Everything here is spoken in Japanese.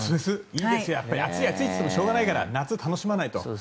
いいんですよ暑い暑いと言ってもしょうがないから夏を楽しまないと。